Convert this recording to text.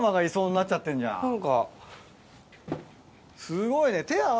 すごいね。